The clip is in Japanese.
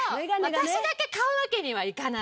私だけ買うわけにはいかない。